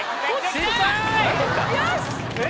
よし！